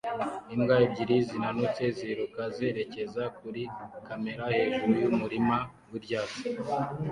imbwa ebyiri zinanutse ziruka zerekeza kuri kamera hejuru yumurima wibyatsi